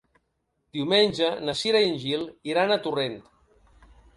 Diumenge na Cira i en Gil iran a Torrent.